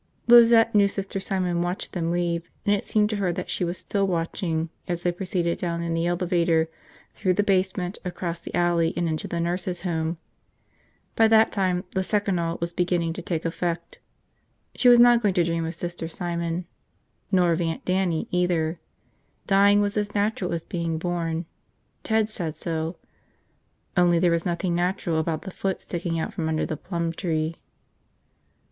Lizette knew Sister Simon watched them leave, and it seemed to her that she was still watching as they proceeded down in the elevator, through the basement, across the alley, and into the nurses' home. By that time the seconal was beginning to take effect. She was not going to dream of Sister Simon. Nor of Aunt Dannie, either. Dying was as natural as being born – Ted said so – only there was nothing natural about the foot sticking out from under the plum tree.